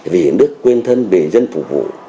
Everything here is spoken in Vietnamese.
vì nước quên thân vì dân phục vụ